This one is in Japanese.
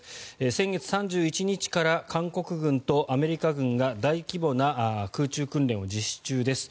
先月３１日から韓国軍とアメリカ軍が大規模な空中訓練を実施中です。